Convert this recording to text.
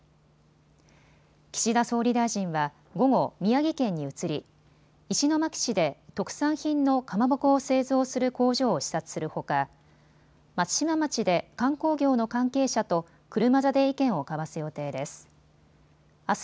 岸田総理大臣は午後、宮城県に移り石巻市で特産品のかまぼこを製造する工場を視察するほか、松島町で観光業の関係者と車座で意見を交わす予定です。